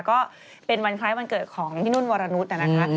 ก็เป็นวันคล้ายวันเกิดของพี่นุ่นวรนุษย์นะคะ